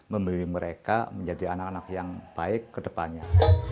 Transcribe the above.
memilih mereka menjadi anak anak yang baik kedepannya